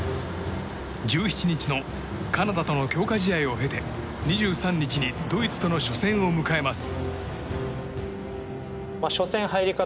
１７日のカナダとの強化試合を経て２３日にドイツとの初戦を迎えます。